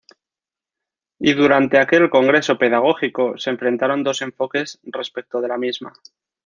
Y durante aquel Congreso pedagógico se enfrentaron dos enfoques respecto de la misma.